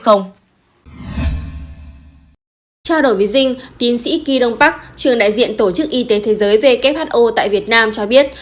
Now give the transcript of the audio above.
trao đổi với dinh tiến sĩ kỳ đông bắc trường đại diện tổ chức y tế thế giới who tại việt nam cho biết